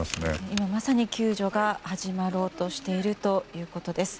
今まさに救助が始まろうとしているということです。